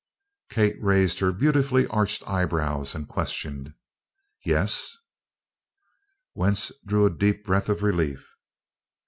Kate raised her beautifully arched eyebrows and questioned: "Yes?" Wentz drew a deep breath of relief.